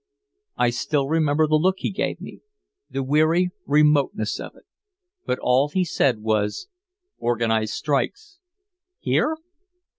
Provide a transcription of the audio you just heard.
I still remember the look he gave me, the weary remoteness of it. But all he said was, "Organize strikes." "Here?"